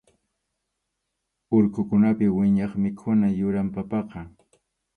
Urqukunapi wiñaq mikhuna yuram papaqa.